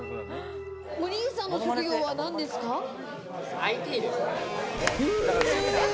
お兄さんの職業はＩＴですね。